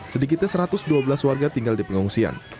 sedikitnya satu ratus dua belas warga tinggal di pengungsian